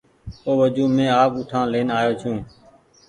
او وجون مينٚ آپ اُٺآن لين آئو ڇوٚنٚ